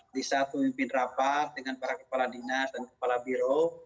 di saat memimpin rapat dengan para kepala dinas dan kepala biro